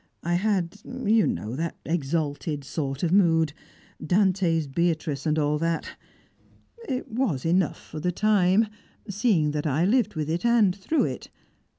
I had you know that exalted sort of mood; Dante's Beatrice, and all that! It was enough for the time, seeing that I lived with it, and through it.